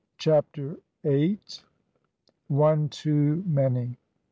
CHAPTER EIGHT. ONE TOO MANY.